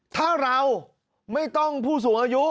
ถ้าเราไม่ต้องผู้สูงอายุ